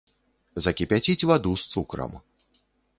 Закіпяціць ваду з цукрам.